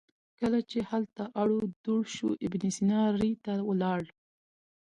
کله چې هلته اړو دوړ شو ابن سینا ري ته ولاړ.